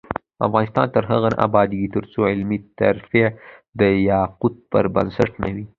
افغانستان تر هغو نه ابادیږي، ترڅو علمي ترفیع د لیاقت پر بنسټ نه وي.